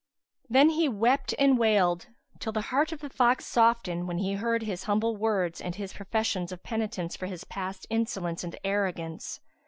Then he wept and wailed, till the heart of the fox softened when he heard his humble words and his professions of penitence for his past insolence and arrogance.